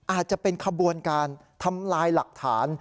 อาจจะเป็นขบวนการทำลายหลักฐาน